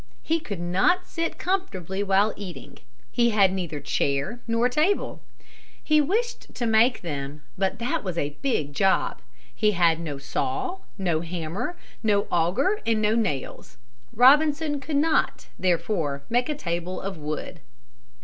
He could not sit comfortably while eating. He had neither chair nor table. He wished to make them, but that was a big job. He had no saw, no hammer, no auger and no nails. Robinson could not, therefore, make a table of wood.